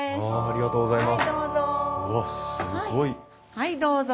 はいどうぞ。